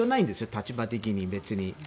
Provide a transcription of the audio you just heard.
立場的に、別に。